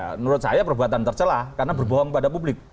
ya menurut saya perbuatan tercelah karena berbohong pada publik